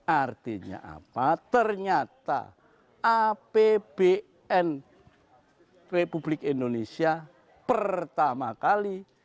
artinya apa ternyata apbn republik indonesia pertama kali